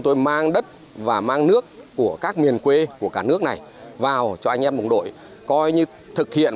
tôi mang đất và mang nước của các miền quê của cả nước này vào cho anh em đồng đội coi như thực hiện